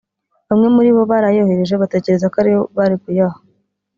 bamwe muri bo barayohereje batekereza ko ariwe bari kuyaha